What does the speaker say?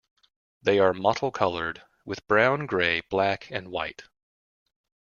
They are mottle-colored with brown, gray, black, and white.